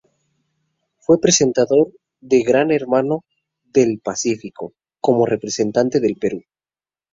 Fue presentador de "Gran Hermano del Pacífico", como representante del Perú.